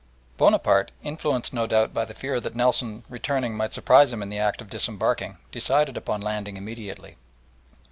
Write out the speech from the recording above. Bonaparte, influenced no doubt by the fear that Nelson returning might surprise him in the act of disembarking, decided upon landing immediately.